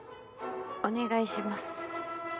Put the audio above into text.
お願いします。